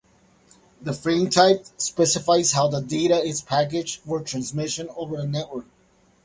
The frame type specifies how the data is packaged for transmission over the network.